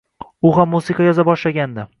U ham musiqa yoza boshlagandi.